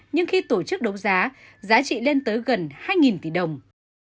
nhưng khi tổ chức đấu giá giá trị lên tới gần hai tỷ đồng